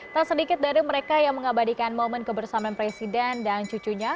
tak sedikit dari mereka yang mengabadikan momen kebersamaan presiden dan cucunya